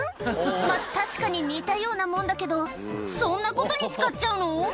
まぁ確かに似たようなもんだけどそんなことに使っちゃうの？